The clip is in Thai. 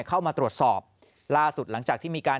เข้ามาตรวจสอบล่าสุดหลังจากที่มีการ